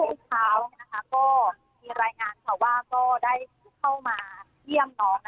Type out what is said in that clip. ทุกเช้าก็มีรายงานค่ะว่าก็ได้เข้ามาเยี่ยมน้อง